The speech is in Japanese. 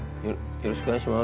よろしくお願いします。